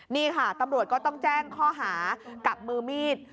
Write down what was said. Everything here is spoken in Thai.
นี่ค่ะตำรวจก็ต้องแจ้งข้อหากับมือมีด